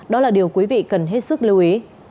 đó là điều quý vị cần hết sức lưu ý